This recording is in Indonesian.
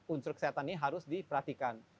unsur kesehatan ini harus diperhatikan